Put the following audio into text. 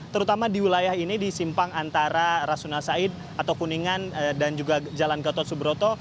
terutama di wilayah ini di simpang antara rasuna said atau kuningan dan juga jalan gatot subroto